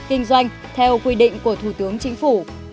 kinh doanh theo quy định của thủ tướng chính phủ